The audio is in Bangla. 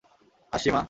আসছি, মা!